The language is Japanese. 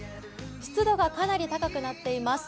湿度がかなり高くなっています。